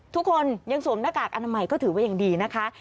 ทุกคนยังสวมหน้ากากอนามัยก็ถือว่ายังดีนะคะ